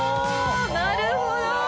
なるほど。